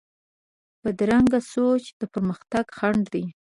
بدرنګه سوچ د پرمختګ خنډ دی